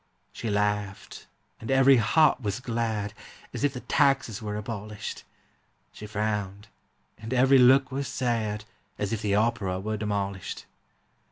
She laughed, and every heart was glad, As if the taxes were abolished; She frowned, and every look was sad, As if the opera were demolished.